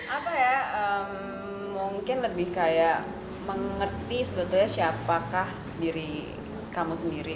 apa ya mungkin lebih kayak mengerti sebetulnya siapakah diri kamu sendiri